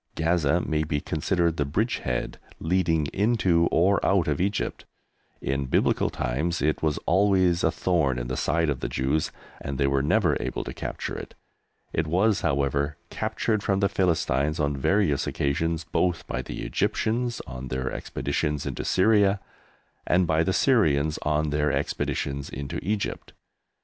Gaza may be considered the bridgehead leading into or out of Egypt. In Biblical times it was always a thorn in the side of the Jews, and they were never able to capture it. It was, however, captured from the Philistines on various occasions both by the Egyptians on their expeditions into Syria and by the Syrians on their expeditions into Egypt.